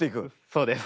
そうです。